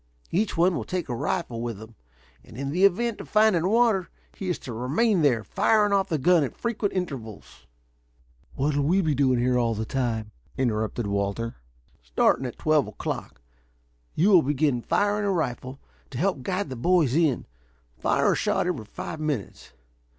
Each one will take a rifle with him, and in the event of finding water he is to remain there, firing off the gun at frequent intervals." "What'll we be doing here all the time?" interrupted Walter. "Starting at twelve o'clock, you will begin firing a rifle to help guide the boys in. Fire a shot every five minutes.